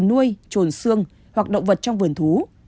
nuôi trồn xương hoặc động vật trong vườn thú